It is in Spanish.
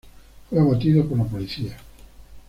Fue abatido por la policía.